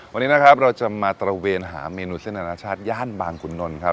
วันนี้นะครับเราจะมาตระเวนหาเมนูเส้นอนาชาติย่านบางขุนนลครับ